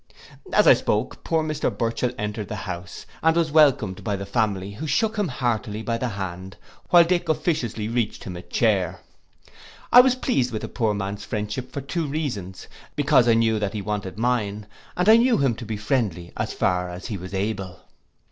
'—As I spoke, poor Mr Burchell entered the house, and was welcomed by the family, who shook him heartily by the hand, while little Dick officiously reached him a chair. I was pleased with the poor man's friendship for two reasons; because I knew that he wanted mine, and I knew him to be friendly as far as he was able.